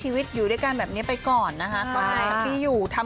พี่ลองไปคบกับพี่เต๋อดูสิ